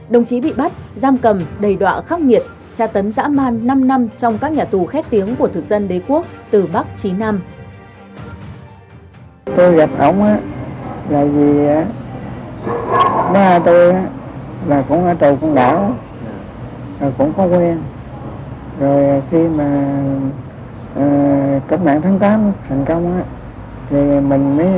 đồng chí bị bắt giam cầm đầy đoạ khắc nghiệt tra tấn dã man năm năm trong các nhà tù khét tiếng của thực dân đế quốc từ bắc chí nam